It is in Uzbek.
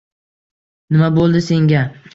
Nima bo`ldi senga